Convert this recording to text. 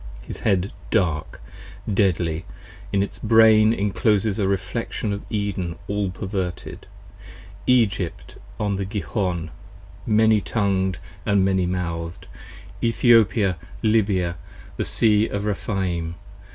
His Head dark, deadly, in its Brain incloses a reflexion 15 Of Eden all perverted: Egypt on the Gihon, many tongued And many mouth'd: Ethiopia, Lybia, the Sea of Rephaim.